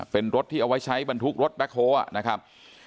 เป็นรถที่เอาไว้ใช้บรรทุกรถแบ็คโฮลนะครับ